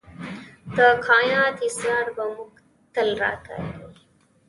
د کائنات اسرار به موږ تل راکاږي.